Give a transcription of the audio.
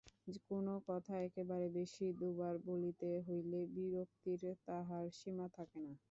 কোনো কথা একবারের বেশি দুবার বলিতে হইলে বিরক্তির তাহার সীমা থাকে না।